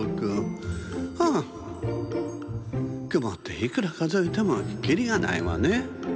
くもっていくらかぞえてもきりがないわね。